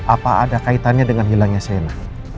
apa ada kaitannya dengan hilangnya sena